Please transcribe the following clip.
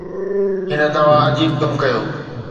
هن دوا عجيب ڪم ڪيو